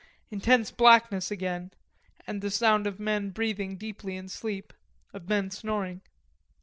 Intense blackness again, and the sound of men breathing deeply in sleep, of men snoring.